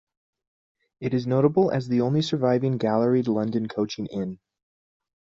It is notable as the only surviving galleried London coaching inn.